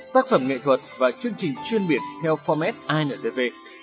tác phẩm nghệ thuật và chương trình chuyên biệt theo format indv